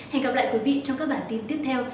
hẹn gặp lại quý vị trong các bản tin tiếp theo